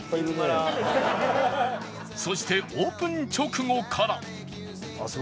そしてオープン直後から